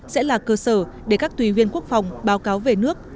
sẽ là cơ sở để các tùy viên quốc phòng báo cáo về nước